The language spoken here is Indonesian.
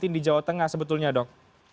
di jawa tengah sebetulnya dok